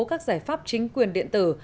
các giải pháp chính quyền điện tử